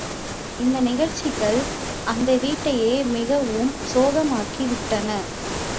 இந்த நிகழ்ச்சிகள் அந்த வீட்டையே மிகவும் சோகமயமாக்கி விட்டன.